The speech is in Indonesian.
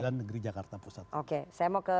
negara jakarta pusat oke saya mau ke